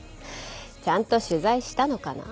「ちゃんと取材したのかな？」